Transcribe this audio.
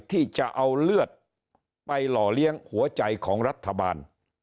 ที่จะเอาเลือดไปหล่อเลี้ยงหัวใจของรัฐบาล